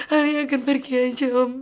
alia akan pergi aja om